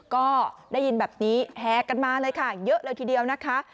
ก็ได้ยินแบบนี้แหกันมาเลยค่ะเยอะเลยทีเดียวนะคะ